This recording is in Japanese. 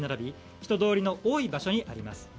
人通りの多い場所にあります。